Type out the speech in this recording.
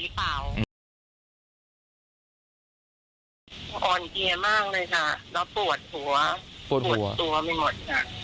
อ่อนเพลียมากเลยค่ะแล้วปวดหัวปวดตัวไปหมดค่ะ